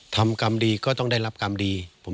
ทำกรรมดีก็ต้องได้รับกรรมดี